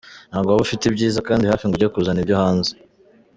Ntabwo waba ufite ibyiza kandi hafi ngo ujye kuzana ibyo hanze.